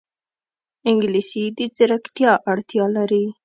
انګلیسي د ځیرکتیا اړتیا لري